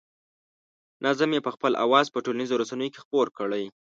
نظم یې په خپل اواز په ټولنیزو رسنیو کې خپور کړی.